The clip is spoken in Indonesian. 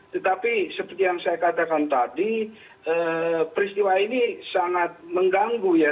tetapi seperti yang saya katakan tadi peristiwa ini sangat mengganggu ya